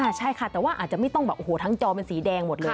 ใช่ค่ะแต่ว่าอาจจะไม่ต้องแบบโอ้โหทั้งจอเป็นสีแดงหมดเลย